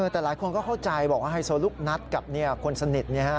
แต่หลายคนก็เข้าใจบอกว่าไฮโซลูกนัดกับคนสนิท